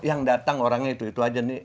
yang datang orangnya itu itu aja nih